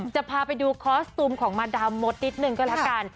จะพาไปดูคอสตูมของมาดามมดนิดนึงก็แล้วกัน